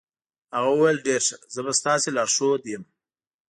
هغه وویل ډېر ښه، زه به ستاسې لارښود یم.